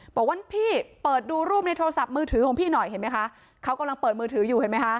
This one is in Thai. บอกว่าพี่เปิดดูรูปในโทรศัพท์มือถือของพี่หน่อยเห็นไหมคะเขากำลังเปิดมือถืออยู่เห็นไหมคะ